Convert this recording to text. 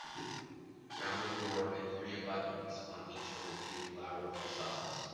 Rounded door and three abutments on each of the two lateral facades.